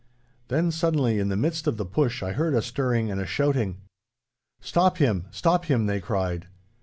Then suddenly in the midst of the push I heard a stirring and a shouting. 'Stop him! stop him!' they cried.